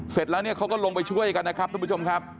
เสร็จแล้วเนี่ยเขาก็ลงไปช่วยกันนะครับทุกผู้ชมครับ